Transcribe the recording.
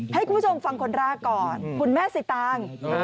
ให้คุณผู้ชมฟังคนแรกก่อนคุณแม่สิตาง